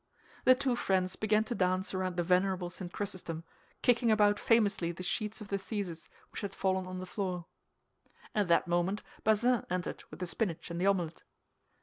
The two friends began to dance around the venerable St. Chrysostom, kicking about famously the sheets of the thesis, which had fallen on the floor. At that moment Bazin entered with the spinach and the omelet.